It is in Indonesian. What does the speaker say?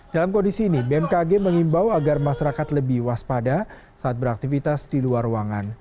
dalam kondisi ini bmkg mengimbau agar masyarakat lebih waspada saat beraktivitas di luar ruangan